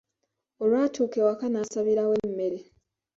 Olwatuuka ewaka n'asabirawo emmere.